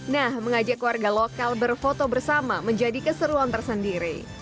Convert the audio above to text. nah mengajak warga lokal berfoto bersama menjadi keseruan tersendiri